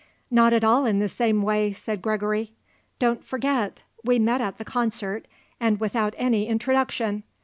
"Not at all in the same way," said Gregory. "Don't forget. We met at the concert, and without any introduction!